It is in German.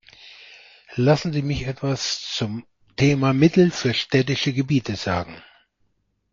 Lassen Sie mich etwas zum Thema Mittel für städtische Gebiete sagen.